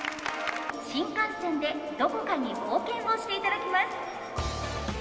新幹線でどこかに冒険をしていただきます。